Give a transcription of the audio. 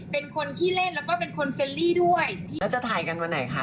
เป็นคนขี้เล่นแล้วก็เป็นคนเฟรลี่ด้วยแล้วจะถ่ายกันวันไหนคะ